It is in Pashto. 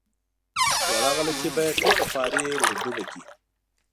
وړه غلطي به یې ټوله خواري ور ډوبه کړي.